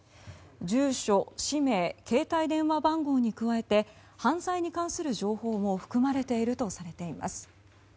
住所、氏名携帯電話番号に加えて犯罪に関する情報も含まれているとされています。